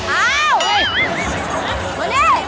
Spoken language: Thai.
อ้าว